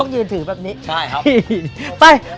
ต้องเหมือนในรูปใช่ครับแม่ใหญ่ต้องยืนถือแบบนี้ไปไปดู